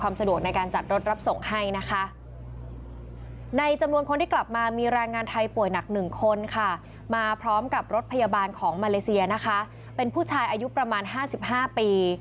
ป่วยหนัก๑คนค่ะมาพร้อมกับรถพยาบาลของมาเลเซียนะคะเป็นผู้ชายอายุประมาณ๕๕ปี